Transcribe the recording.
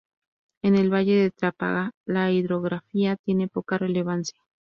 En el Valle de Trápaga la hidrografía tiene poca relevancia.